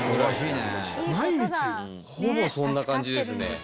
ほぼそんな感じですね。